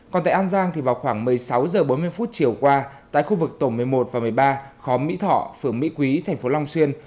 còn tại an giang thì vào khoảng một mươi sáu h bốn mươi chiều qua tại khu vực tổ một mươi một và một mươi ba khóm mỹ thọ phường mỹ quý thành phố long xuyên